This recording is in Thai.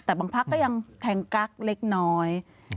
แต่บางพักก็ยังแทงกั๊กเล็กน้อย